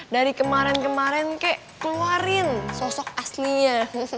dari kemarin kemarin kek keluarin sosok aslinya